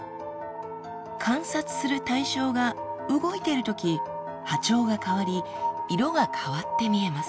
観察する対象が動いてるとき波長が変わり色が変わって見えます。